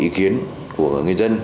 ý kiến của người dân